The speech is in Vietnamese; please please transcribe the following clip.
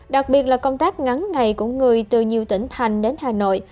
đặc biệt là công tác ngắn ngày của người từ nhiều tỉnh thành đến hà nội